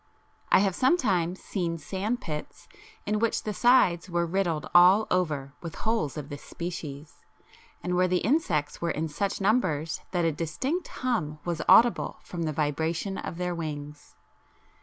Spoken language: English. I have sometimes seen sandpits in which the sides were riddled all over with holes of this species, and where the insects were in such numbers that a distinct hum was audible from the vibration of their wings.